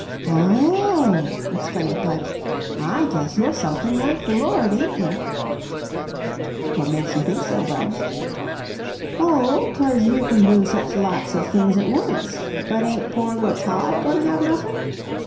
"Oh h h h h!" exclaimed Budge, "I guess you're something like the Lord, ain't you?" "What makes you think so, Budge?" "Oh, 'cause you can do such lots of things at once. But ain't poor little Tod goin' to have noffin'?"